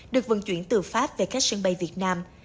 được vận chuyển từ pháp về các sân bay việt nam